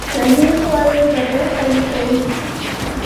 صحي خواړه بدن قوي کوي